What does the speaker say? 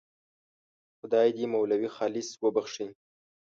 خدای دې مولوي خالص وبخښي.